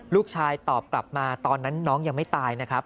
ลูกชายตอบกลับมาตอนนั้นน้องยังไม่ตายนะครับ